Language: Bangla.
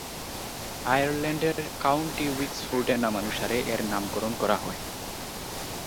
আয়ারল্যান্ডের কাউন্টি উইক্সফোর্ডের নামানুসারে এর নামকরণ করা হয়।